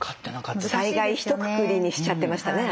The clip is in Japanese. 災害ひとくくりにしちゃってましたね。